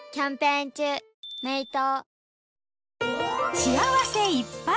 幸せいっぱい！